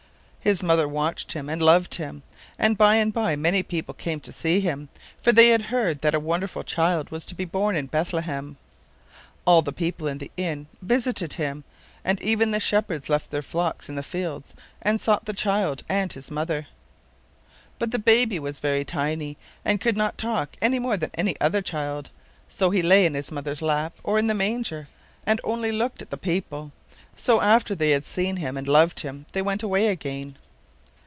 His mother watched Him and loved Him, and by and by many people came to see Him, for they had heard that a wonderful child was to be born in Bethlehem. All the people in the inn visited Him, and even the shepherds left their flocks in the fields and sought the child and His mother. But the baby was very tiny, and could not talk any more than any other tiny child, so He lay in His mother's lap, or in the manger, and only looked at the people. So after they had seen Him and loved Him, they went away again.